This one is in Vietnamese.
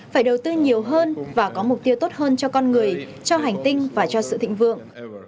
phải đầu tư nhiều hơn và có mục tiêu tốt hơn cho con người cho hành tinh và cho sự thịnh vượng